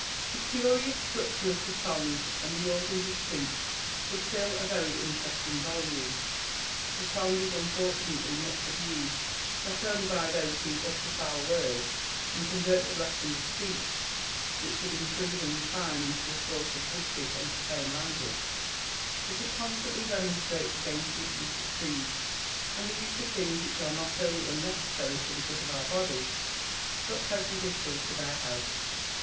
The curious structure of the tongue, and the organs of speech, would fill a very interesting volume. The tongue is unfortunately much abused, not only by those who utter foul words, and convert the blessing of speech, which should improve and refine, into a source of wicked and profane language; but it constantly remonstrates against the abuse of food, and the use of things which are not only unnecessary for the good of our bodies, but prejudicial to their health.